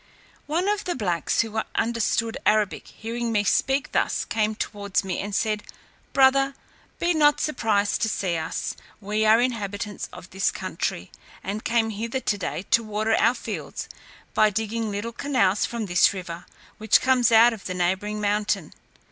One of the blacks, who understood Arabic, hearing me speak thus, came towards me, and said, "Brother, be not surprised to see us, we are inhabitants of this country, and came hither to day to water our fields, by digging little canals from this river, which comes out of the neighbouring mountain.